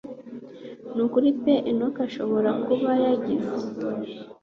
nukuri pe enock ashobora kuba yagize